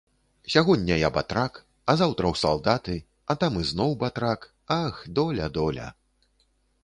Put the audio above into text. Сягоння я батрак, а заўтра ў салдаты, а там ізноў батрак, ах, доля, доля.